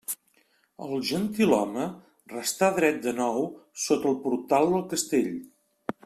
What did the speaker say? El gentilhome restà dret de nou sota el portal del castell.